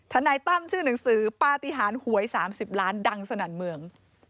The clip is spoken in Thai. นายตั้มชื่อหนังสือปฏิหารหวย๓๐ล้านดังสนั่นเมือง